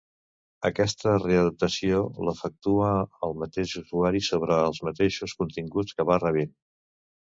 Aquesta readaptació l'efectua el mateix usuari sobre els mateixos continguts que va rebent.